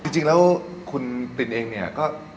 จริงแล้วคุณตินเองก็